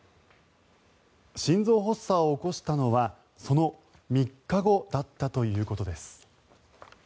心臓発作を起こしたのはその３日後だったということです。